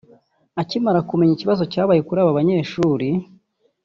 Akimara kumenya ikibazo cyabaye kuri aba banyeshuri